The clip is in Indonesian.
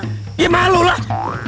gak malu lah